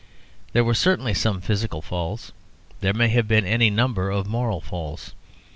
There were certainly some physical Falls; there may have been any number of moral Falls.